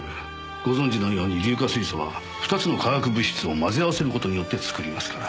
ご存じのように硫化水素は２つの化学物質を混ぜ合わせる事によって作りますから。